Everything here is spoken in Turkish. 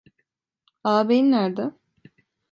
Ağabeyin nerede?